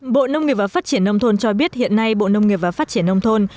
bộ nông nghiệp và phát triển nông thôn cho biết hiện nay bộ nông nghiệp và phát triển nông thôn